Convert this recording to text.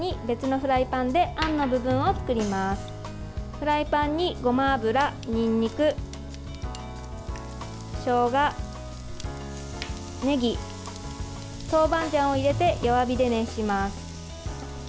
フライパンにごま油、にんにく、しょうがねぎ、トーバンジャンを入れて弱火で熱します。